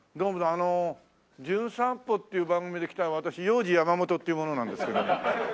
あの『じゅん散歩』っていう番組で来た私ヨウジヤマモトっていう者なんですけども。